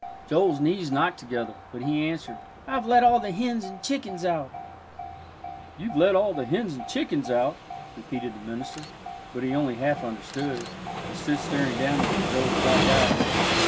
Joel's knees knocked together, but he answered, "I've let all the hens and chickens out." "You've let all the hens and chickens out?" repeated the minister, but he only half understood, and stood staring down into Joel's black eyes.